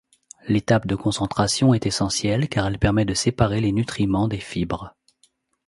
L'étape de concentration est essentielle car elle permet de séparer les nutriments des fibres.